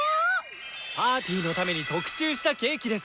パーティーのために特注したケーキです！